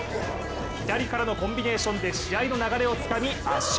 左からのコンビネーションで試合の流れをつかみ圧勝。